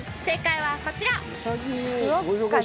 正解はこちら